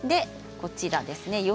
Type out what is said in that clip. こちらですね。